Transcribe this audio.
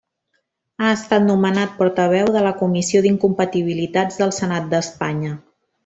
Ha estat nomenat portaveu de la Comissió d'Incompatibilitats del Senat d'Espanya.